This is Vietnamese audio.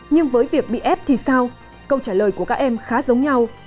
nhưng với việc bị ép thì sao câu trả lời của các em khá giống nhau